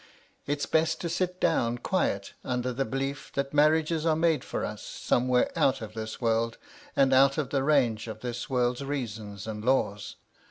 It's best to sit down quiet under the belief that marriages are made for us, somewhere out of this world, and out of the range of this world's reasons and laws.